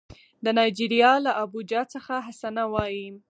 د نایجیریا له ابوجا څخه حسنه وايي